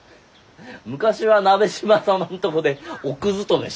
昔は鍋島様んとこで奥勤めしてたらしいが。